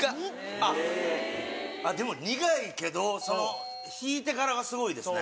あっでも苦いけど引いてからがスゴいですね。